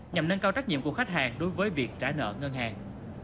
nhằm nâng cao trách nhiệm của khách hàng đối với việc trả nợ ngân hàng